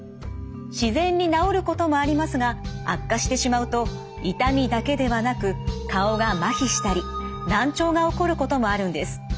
自然に治ることもありますが悪化してしまうと痛みだけではなく顔がまひしたり難聴が起こることもあるんです。